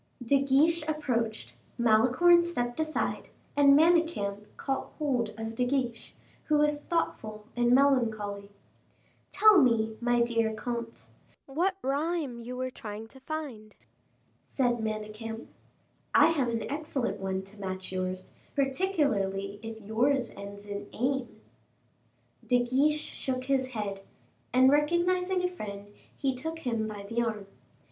De Guiche approached, Malicorne stepped aside, and Manicamp caught hold of De Guiche, who was thoughtful and melancholy. "Tell me, my dear comte, what rhyme you were trying to find," said Manicamp. "I have an excellent one to match yours, particularly if yours ends in ame." De Guiche shook his head, and recognizing a friend, he took him by the arm.